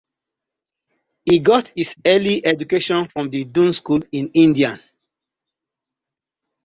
He got his early education from the Doon School in India.